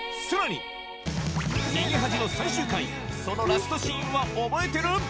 さらに「逃げ恥」の最終回そのラストシーンは覚えてる？